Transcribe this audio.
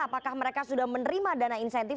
apakah mereka sudah menerima dana insentif